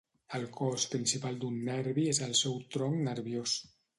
El cos principal d'un nervi és el seu tronc nerviós.